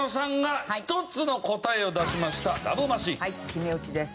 決め打ちです。